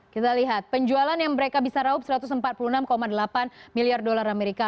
kita lihat penjualan yang mereka bisa raup satu ratus empat puluh enam delapan miliar dolar amerika